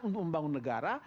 untuk membangun negara